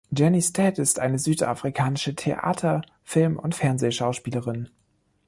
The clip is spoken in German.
Jenny Stead ist eine südafrikanische Theater-, Film- und Fernsehschauspielerin.